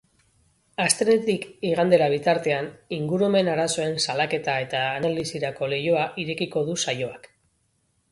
Astelehenetik igandera bitartean, ingurumen-arazoen salaketa eta analisirako leihoa irekiko du saioak.